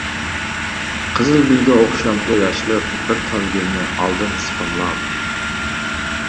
قىزىلگۈلگە ئوخشامدۇ ياشلىق، بىر تال گۈلنى ئالدىم سىقىملاپ.